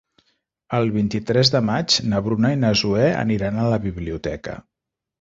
El vint-i-tres de maig na Bruna i na Zoè aniran a la biblioteca.